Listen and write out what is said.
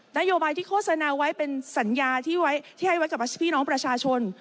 นโยบายที่โฆษณาไว้เป็นสัญญาที่ไว้ที่ให้ไว้กับพี่น้องประชาชน